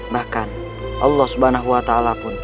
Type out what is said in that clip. bahkan allah swt pun